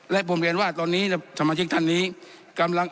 และผมเรียนว่าตอนนี้ทมาชิกท่านพำราชดิ์ครับ